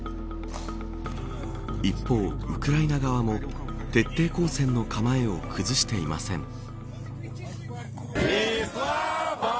一方、ウクライナ側も徹底抗戦の構えを崩していません。